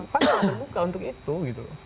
pan yang ada buka untuk itu gitu